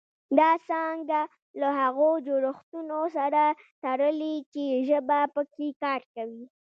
دا څانګه له هغو جوړښتونو سره تړلې چې ژبه پکې کار کوي